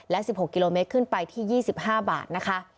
และ๑๖กิโลเมตรขึ้นไปที่๒๕บาทนะคะ